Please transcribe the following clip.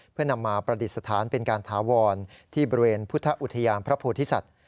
เพื่อนำมาประดิษฐานเป็นการถาวรที่บริเวณพุทธอุทยานพระโพธิสัตว